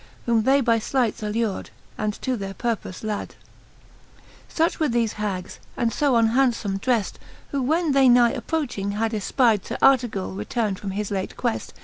Whom they by flights allur'd, and to their purpoie la<?. XXXVIII. Silch were thefe hags, and fb unhandfbme dreft ;: Who when they nigh approching, had efpyder Sir Artegall return'd from his late queft